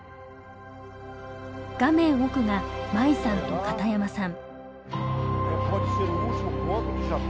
画面奥が真衣さんと片山さん。